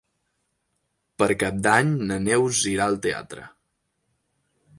Per Cap d'Any na Neus irà al teatre.